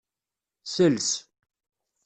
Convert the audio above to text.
Sels.